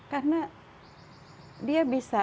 karena dia bisa